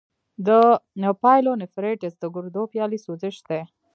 د پايلونیفریټس د ګردو پیالې سوزش دی.